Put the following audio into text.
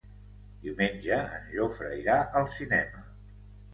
Diumenge en Jofre irà al cinema.